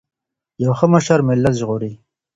یو ښه مشر ملت ژغوري.